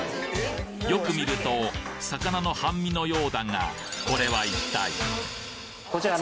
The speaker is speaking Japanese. よく見ると魚の半身のようだがこちら。